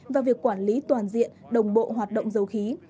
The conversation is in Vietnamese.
và việc quản lý toàn diện đồng bộ hoạt động dầu khí